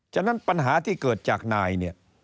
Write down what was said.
ฉะนั้นปัญหาที่เกิดจากนาย